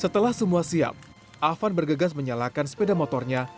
setelah semua siap afan bergegas menyalakan sepeda motornya